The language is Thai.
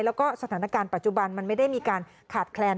แล้วก็สถานการณ์ปัจจุบันมันไม่ได้มีการขาดแคลน